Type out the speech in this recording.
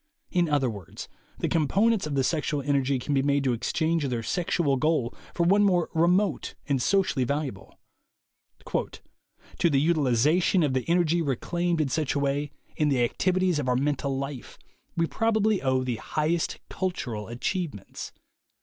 In other words, the components of the sexual energy can be made to exchange their sexual goal for one more remote and socially valu able. "To the utilization of the energy reclaimed in such a way, in the activities of our mental life, we probably owe the highest cultural achievements.